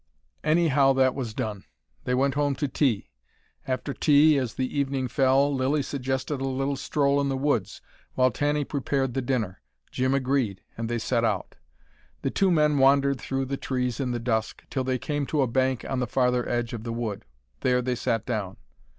Anyhow that was done. They went home to tea. After tea, as the evening fell, Lilly suggested a little stroll in the woods, while Tanny prepared the dinner. Jim agreed, and they set out. The two men wandered through the trees in the dusk, till they came to a bank on the farther edge of the wood. There they sat down.